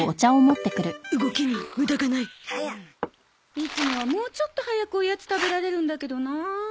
いつもはもうちょっと早くおやつ食べられるんだけどな。